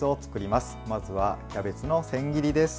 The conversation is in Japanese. まずはキャベツの千切りです。